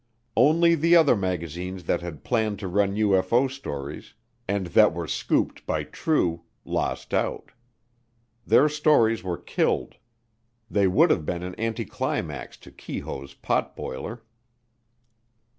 Only the other magazines that had planned to run UFO stories, and that were scooped by True, lost out. Their stories were killed they would have been an anti climax to Keyhoe's potboiler.